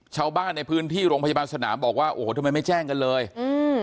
ชาวบ้านในพื้นที่โรงพยาบาลสนามบอกว่าโอ้โหทำไมไม่แจ้งกันเลยอืม